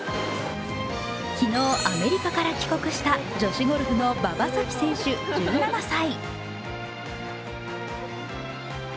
昨日、アメリカから帰国した女子ゴルフの馬場咲希選手１７歳。